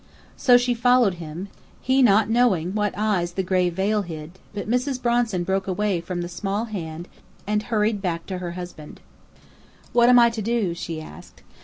So she followed him, he not knowing what eyes the gray veil hid: but Mrs. Bronson broke away from the small hand and hurried back to her husband. "What am I to do?" she asked.